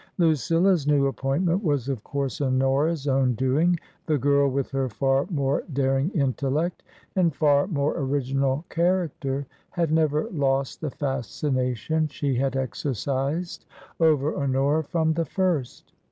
Lucilla's new appointment was of course Honora's own doing ; the girl with her far more daring intellect and far more original character had never lost the fascination she had exercised over Honora from the first.